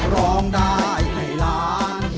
ร้องได้ให้ล้าน